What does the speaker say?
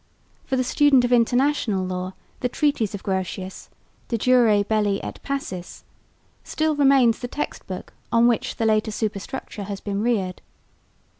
For the student of International Law the treatise of Grotius, De Jure belli et pacis, still remains the text book on which the later superstructure has been reared.